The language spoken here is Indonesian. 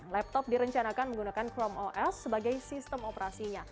laptop direncanakan menggunakan chrome os sebagai sistem operasinya